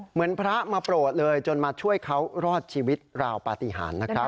เหมือนพระมาโปรดเลยจนมาช่วยเขารอดชีวิตราวปฏิหารนะครับ